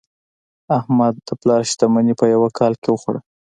احمد د پلار شتمني په یوه کال کې وخوړه.